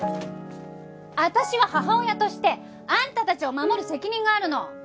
私は母親としてあんたたちを守る責任があるの。